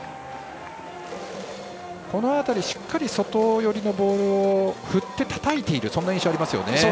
この辺りしっかり外寄りのボール振ってたたいているそんな印象がありますよね。